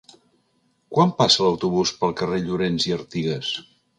Quan passa l'autobús pel carrer Llorens i Artigas?